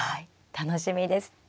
楽しみです。